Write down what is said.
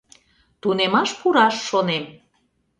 Тунемаш пураш шонем.